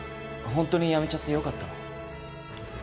本当に辞めちゃってよかったの？